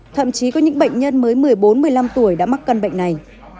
thậm chí có những bệnh nhân mới một mươi bốn một mươi năm tuổi đã mắc căn bệnh này